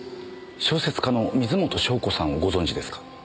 小説家の水元湘子さんをご存じですか？